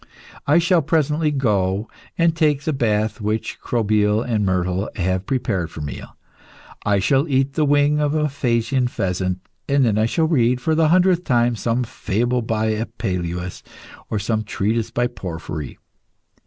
I shall presently go and take the bath which Crobyle and Myrtale have prepared for me; I shall eat the wing of a Phasian pheasant; then I shall read for the hundredth time some fable by Apuleius or some treatise by Porphyry.